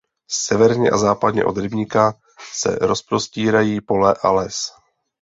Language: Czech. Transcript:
Severně a západně od rybníka se rozprostírají pole a les.